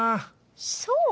そう？